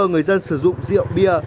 người dân sử dụng rượu bia